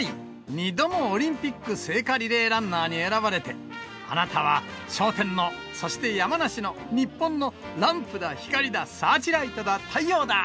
２度もオリンピック聖火リレーランナーに選ばれて、あなたは笑点の、そして山梨の、日本のランプだ、光だ、サーチライトだ、太陽だ！